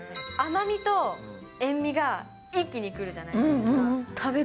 甘みと塩味が一気にくるじゃないですか。